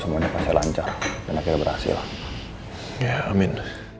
semuanya pasti lancar dan akhir berhasil ya amin